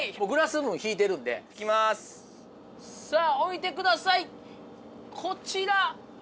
さぁ置いてくださいこちら。